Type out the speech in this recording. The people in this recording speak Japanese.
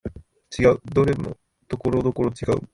違う、どれもところどころ違う